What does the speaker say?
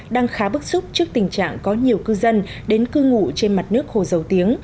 đang khá bức xúc trước tình trạng có nhiều cư dân đến cư ngụ trên mặt nước hồ dầu tiếng